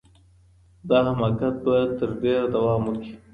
دا حماقت به تر ډیره دوام وکړي.